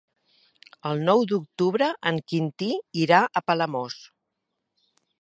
El nou d'octubre en Quintí irà a Palamós.